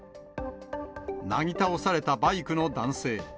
なぎ倒されたバイクの男性。